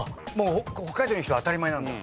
北海道の人は当たり前なんだ。